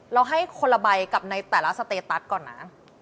ให้คนละใบกับในแต่ละสเตตัสก่อนนะ